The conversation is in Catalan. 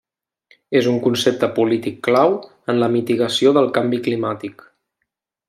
És un concepte polític clau en la mitigació del canvi climàtic.